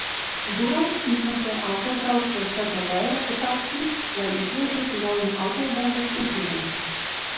Durants izmantoja autobraucēja Ševrolē reputāciju, lai izveidotu jaunu autobūves uzņēmumu.